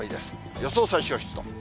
予想最小湿度。